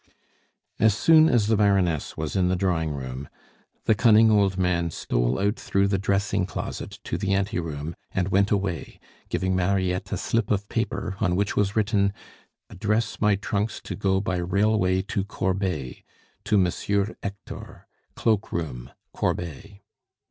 As soon as the Baroness was in the drawing room, the cunning old man stole out through the dressing closet to the anteroom, and went away, giving Mariette a slip of paper, on which was written, "Address my trunks to go by railway to Corbeil to Monsieur Hector, cloak room, Corbeil."